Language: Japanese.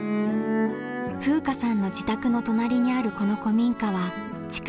風夏さんの自宅の隣にあるこの古民家は築２００年。